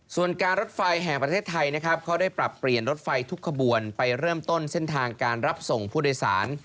ส่วนการรถไฟแห่งประเทศไทยนะครับเขาได้ปรับเปลี่ยนรถไฟทุกขบวนไปเริ่มต้นเส้นทางการรับส่งผู้โดยสาร